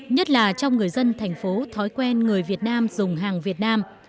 nhất là trong người dân thành phố thói quen người việt nam dùng hàng việt nam